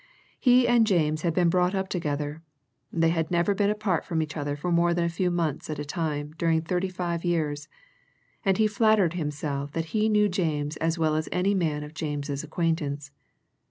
He and James had been brought up together; they had never been apart from each other for more than a few months at a time during thirty five years, and he flattered himself that he knew James as well as any man of James's acquaintance.